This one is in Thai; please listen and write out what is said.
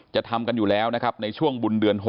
จะทำกันอยู่แล้วนะครับในช่วงบุญเดือน๖